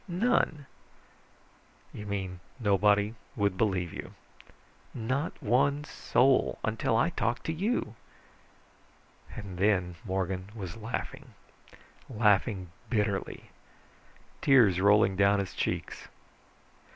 "None." "You mean nobody would believe you?" "Not one soul. Until I talked to you." And then Morgan was laughing, laughing bitterly, tears rolling down his cheeks.